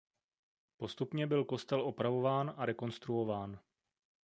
Postupně byl kostel opravován a rekonstruován.